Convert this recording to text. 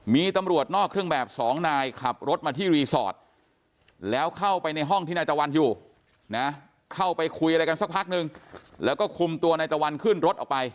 มีตำรวจนอกเครื่องแบบสองนายขับรถมาที่รีสอร์ทแล้วเข้าไปในห้องที่นายตะวันอยู่นะเข้าไปคุยอะไรกันสักพักนึงแล้วก็คุมตัวนายตะวันขึ้นรถออกไป